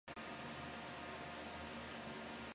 克伦威尔的头颅被挑在长矛上四处游街。